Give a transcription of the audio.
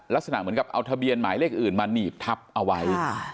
ลักษณะเหมือนกับเอาทะเบียนหมายเลขอื่นมาหนีบทับเอาไว้